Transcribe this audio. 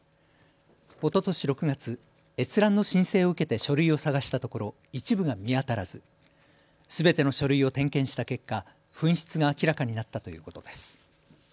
おととし６月、閲覧の申請を受けて書類を探したところ一部が見当たらずすべての書類を点検した結果、紛失が明らかになったということです。